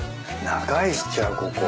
長居しちゃうここ。